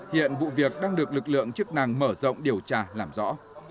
hiện vụ việc đang được lực lượng chức năng mở rộng điều tra làm rõ